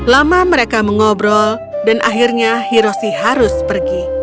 lama mereka mengobrol dan akhirnya hiroshi harus pergi